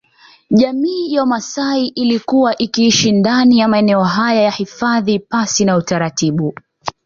Jamii ya Wamaasai ilikuwa ikiishi ndani ya maeneo haya ya hifadhi pasi na utaratibu